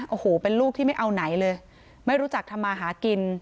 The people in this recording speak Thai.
โอ้โหเป็นลูกที่ไม่เอาไหนเลยไม่รู้จักทำมาหากิน